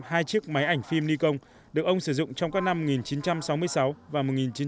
hai chiếc máy ảnh phim nikon được ông sử dụng trong các năm một nghìn chín trăm sáu mươi sáu và một nghìn chín trăm bảy mươi